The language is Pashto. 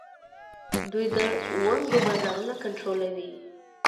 دوی د ونډو بازارونه کنټرولوي.